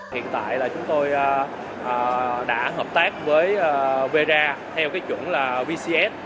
hiện tại là chúng tôi đã hợp tác với vera theo cái chuẩn là vcs